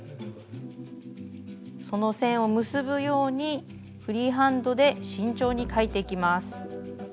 その線を結ぶようにフリーハンドで慎重に描いていきます。